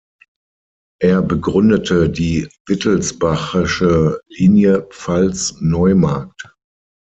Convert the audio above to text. Er begründete die Wittelsbachische Linie Pfalz-Neumarkt.